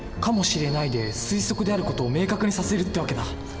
かもしれない」で推測である事を明確にさせるって訳だ。